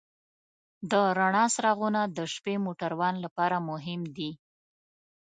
د رڼا څراغونه د شپې موټروان لپاره مهم دي.